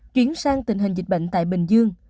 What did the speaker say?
chuyển sang tình hình dịch bệnh tại bình dương